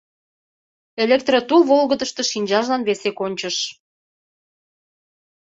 Электротул волгыдышто шинчажлан весе кончыш.